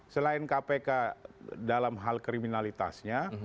selain kpk dalam hal kriminalitasnya